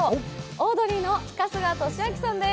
オードリーの春日俊彰さんです。